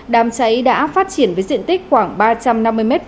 đám cháy đã phát triển với diện tích khoảng ba trăm năm mươi m hai gồm hai giải chợ tạm